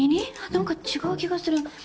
何か違う気がする